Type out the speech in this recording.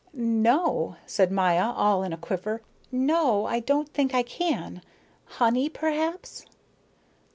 "No," said Maya, all in a quiver, "no, I don't think I can. Honey, perhaps?"